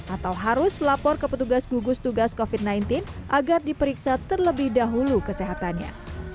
atau harus lapor ke petugas gugus tugas covid sembilan belas agar diperiksa terlebih dahulu kesehatannya